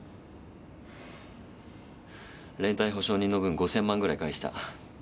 連帯保証人の分５，０００万ぐらい返した。